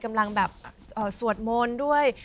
กำลังแบบสวดมนต์ด้วย